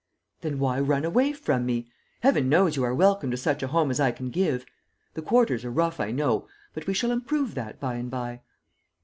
"Then why run away from me? Heaven knows, you are welcome to such a home as I can give. The quarters are rough, I know; but we shall improve that, by and by."